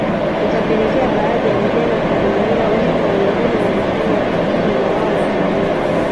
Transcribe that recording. Ikapelekea baadhi ya vijana kumuonea wivu na wengine walifanya bidii na wao wafaulu